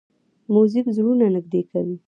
موزیک زړونه نږدې کوي.